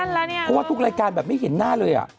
เพราะว่าทุกรายการแบบไม่เห็นหน้าเลย